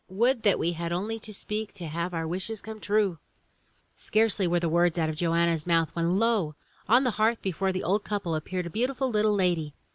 Would that we had only to speak to have our wishes come true!" Scarcely were the words out of Joanna's mouth when lo! on the hearth before the old couple appeared a beautiful little lady.